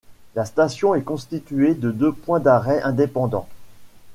La station est constituée de deux points d'arrêt indépendants.